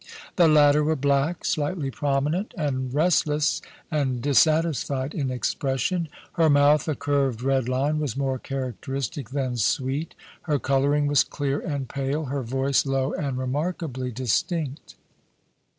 The latter were black, slightly prominent, and restless and dissatisfied in expression ; her mouth, a curved red line, was more characteristic than sweet ; her colouring was clear and pale : her voice low and remarkably distinct.